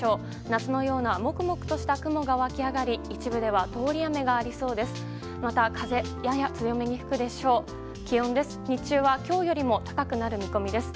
夏のようなもくもくとした雲が湧き上がり一部では通り雨がありそうです。